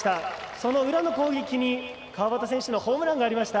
その裏の攻撃に川端選手のホームランがありました。